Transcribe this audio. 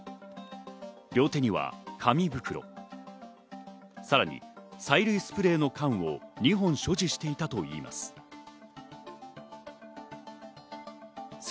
両手には紙袋、さらに催涙スプレーの缶を２本所持していたといいます。